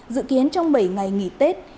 dự kiến trong bảy ngày nghỉ tết